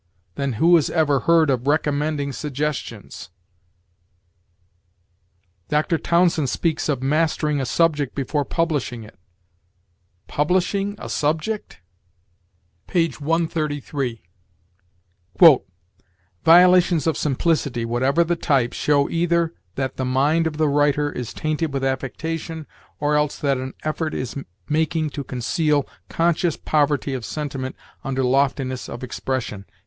Then who has ever heard of recommending suggestions? Dr. Townsend speaks of mastering a subject before publishing it. Publishing a subject? Page 133. "Violations of simplicity, whatever the type, show either that the mind of the writer is tainted with affectation, or else that an effort is making to conceal conscious poverty of sentiment under loftiness of expression."